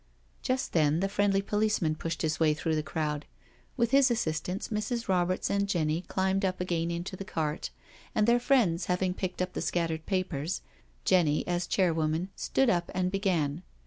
'* Just then the friendly policeman pushed his way through the crowd. With his assistance Mrs. Roberts and Jenny climbed up again into the cart, and their friends having picked up the scattered papers, Jenny, as chairwoman, stood up and began.